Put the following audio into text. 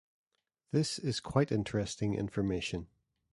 This is quite interesting information.